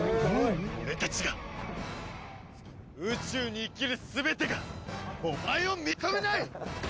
俺たちが、宇宙に生きる全てがお前を認めない！